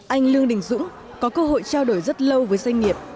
anh lương đình dũng có cơ hội trao đổi rất lâu với doanh nghiệp